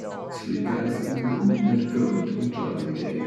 Three guys in blue and gold enjoying a game.